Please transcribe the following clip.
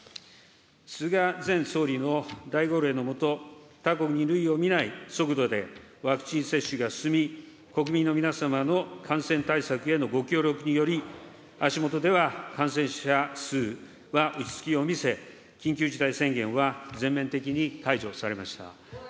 菅前総理の大号令の下、過去に類を見ない速度でワクチン接種が進み、国民の皆様の感染対策へのご協力により、足元では感染者数は落ち着きを見せ、緊急事態宣言は全面的に解除されました。